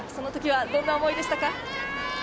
どんな思いでしたか？